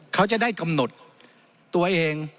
เขาจะได้กำหนดตัวเอง